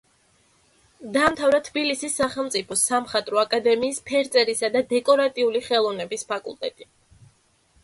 დაამთავრა თბილისის სახელმწიფო სამხატვრო აკადემიის ფერწერისა და დეკორატიული ხელოვნების ფაკულტეტი.